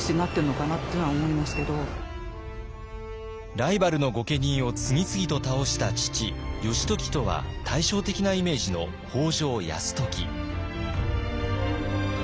ライバルの御家人を次々と倒した父義時とは対照的なイメージの北条泰時。